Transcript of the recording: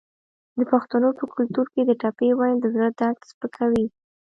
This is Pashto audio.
د پښتنو په کلتور کې د ټپې ویل د زړه درد سپکوي.